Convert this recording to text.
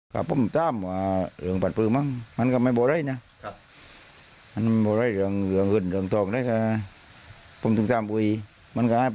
อย่างเยอะเท็บติดนี่ผู้ตายหาย